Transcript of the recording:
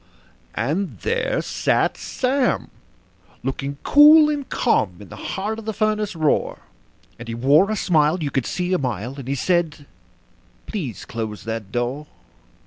And there sat Sam, looking cool and calm, in the heart of the furnace roar; And he wore a smile you could see a mile, and he said: "Please close that door.